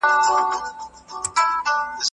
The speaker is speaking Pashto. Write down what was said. موږ بايد ورسره مرسته وکړو.